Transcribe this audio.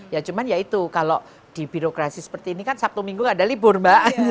ya cuman ya itu kalau di birokrasi seperti ini kan sabtu minggu gak ada libur mbak